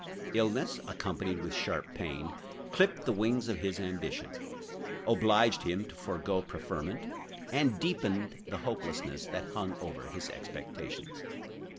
Illness, accompanied with sharp pain, clipped the wings of his ambition, obliged him to forego preferment, and deepened the hopelessness that hung over his expectations.